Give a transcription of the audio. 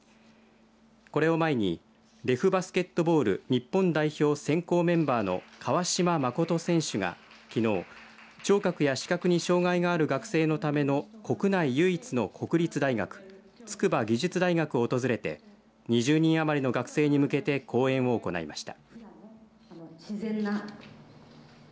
これを前にデフバスケットボール日本代表選考メンバーの川島真琴選手がきのう聴覚や視覚に障害がある学生のための国内唯一の国立大学筑波技術大学を訪れて２０人余りの学生に向けて講演を行いました。